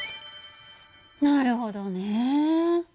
なるほどね。